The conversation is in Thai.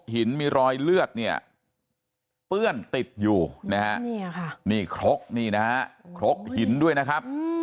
หินมีรอยเลือดเนี่ยเปื้อนติดอยู่นะฮะนี่ครกนี่นะฮะครกหินด้วยนะครับ